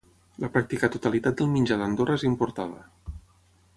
La pràctica totalitat del menjar d'Andorra és importada.